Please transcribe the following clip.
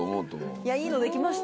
いやいいのできました。